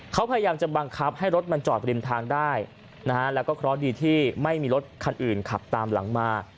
เขาพยายามจะบังคับให้รถมันจอดบริมทางได้นะฮะแล้วก็เคราะห์ดีที่ไม่มีรถคันอื่นขับตามหลังมา